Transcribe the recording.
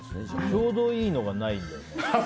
ちょうどいいのがないんだよね。